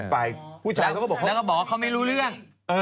ฝ่ายผู้ชายก็บอกเขาไม่รู้เรื่อง